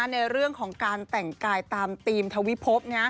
ในเรื่องของการแต่งกายตามธีมทวิภพ